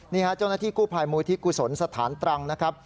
เจ้าหน้าที่กู้ภัยมูลที่กุศลสถานตรังนะครับ